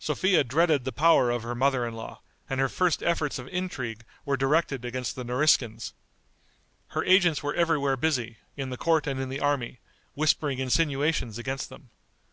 Sophia dreaded the power of her mother in law, and her first efforts of intrigue were directed against the Nariskins. Her agents were everywhere busy, in the court and in the army, whispering insinuations against them.